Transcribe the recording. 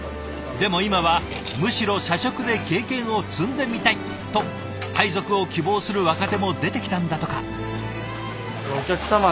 でも今はむしろ社食で経験を積んでみたいと配属を希望する若手も出てきたんだとか。